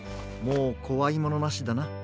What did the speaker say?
もうこわいものなしだな。